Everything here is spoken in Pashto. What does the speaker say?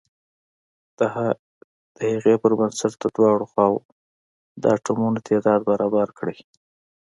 د هغې پر بنسټ د دواړو خواو د اتومونو تعداد برابر کړئ.